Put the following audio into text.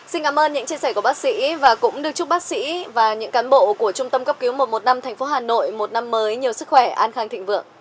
xin cảm ơn những chia sẻ của bác sĩ và cũng được chúc bác sĩ và những cán bộ của trung tâm cấp cứu một trăm một mươi năm tp hà nội một năm mới nhiều sức khỏe an khang thịnh vượng